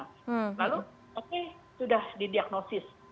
lalu pasti sudah didiagnosis